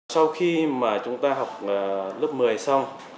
sau khi mà chúng ta học lớp một mươi xong